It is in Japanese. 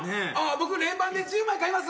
僕連番で１０枚買います。